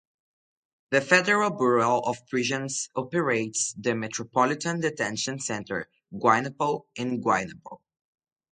The Federal Bureau of Prisons operates the Metropolitan Detention Center, Guaynabo in Guaynabo.